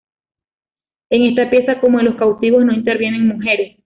En esta pieza, como en los Cautivos no intervienen mujeres.